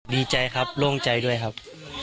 ดีใจครับโล่งใจด้วยครับ